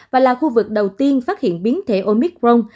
và là khu vực đầu tiên phát hiện biến thể omicron